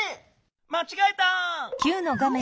まちがえた！